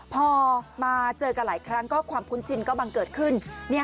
พอมาเจอกันหลายครั้งก็ความคุ้นชินก็บังเกิดขึ้น